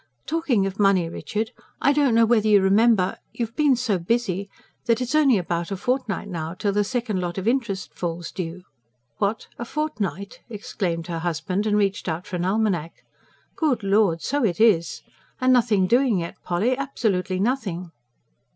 "Talking of money, Richard, I don't know whether you remember ... you've been so busy ... that it's only about a fortnight now till the second lot of interest falls due." "What! a fortnight?" exclaimed her husband, and reached out for an almanack. "Good Lord, so it is! And nothing doing yet, Polly ... absolutely nothing!"